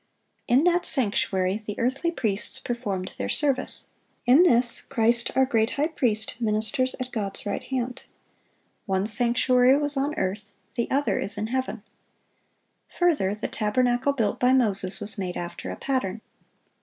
In that sanctuary the earthly priests performed their service; in this, Christ, our great high priest, ministers at God's right hand. One sanctuary was on earth, the other is in heaven. Further, the tabernacle built by Moses was made after a pattern.